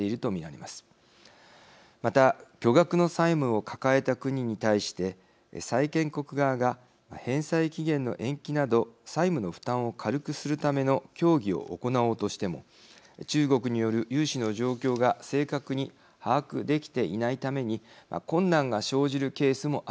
また巨額の債務を抱えた国に対して債権国側が返済期限の延期など債務の負担を軽くするための協議を行おうとしても中国による融資の状況が正確に把握できていないために困難が生じるケースもあると言います。